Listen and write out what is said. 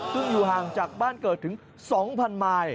ซึ่งอยู่ห่างจากบ้านเกิดถึง๒๐๐๐มาย